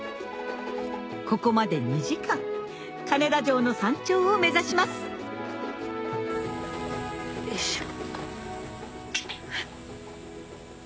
ここまで２時間金田城の山頂を目指しますよいしょ。